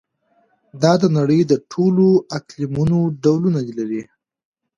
دا د نړۍ د ټولو اقلیمونو ډولونه لري.